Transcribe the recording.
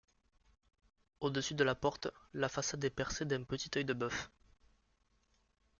Au-dessus de la porte, la façade est percée d'un petit œil-de-bœuf.